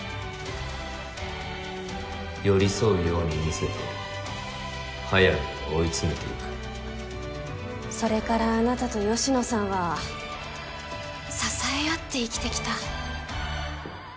寄り添うように見せて速水を追い詰めていそれからあなたと芳野さんは支えあって生きてきた。